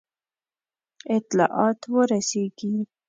اطلاعات ورسیږي.